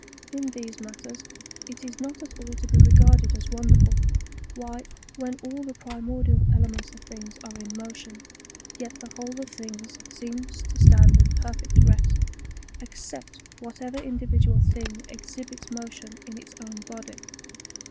In these matters, it is not at all to be regarded as wonder ful, why, when all the primordial elements of things are in motion, yet the whole ef things seems to stand in perfect rest, except whatever individual thing exhibits motion in its own body.